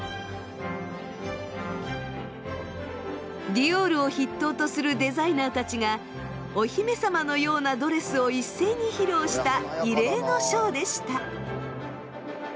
ディオールを筆頭とするデザイナーたちがお姫様のようなドレスを一斉に披露した異例のショーでした。